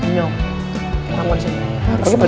nyok kita mau disini